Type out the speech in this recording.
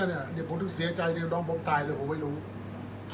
อันไหนที่มันไม่จริงแล้วอาจารย์อยากพูด